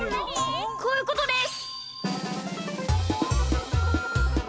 こういうことです！